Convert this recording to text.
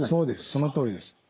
そのとおりです。